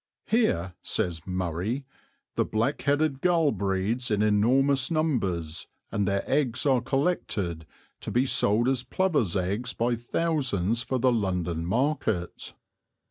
"Here," says "Murray," "the black headed gull breeds in enormous numbers, and their eggs are collected, to be sold as plovers' eggs, by thousands for the London market."